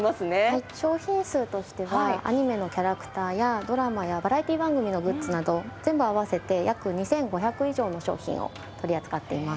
商品数としてはアニメのキャラクターやドラマやバラエティー番組のグッズなど全部合わせて約２５００以上の商品を取り扱っています。